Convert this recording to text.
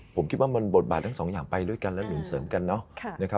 ผมคิดว่ามันบทบาททั้งสองอย่างไปด้วยกันและหนุนเสริมกันเนาะ